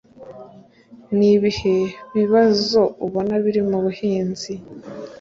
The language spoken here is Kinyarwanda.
ni ibihe bibazo ubona biri mu buhinzi